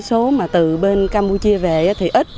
số mà từ bên campuchia về thì ít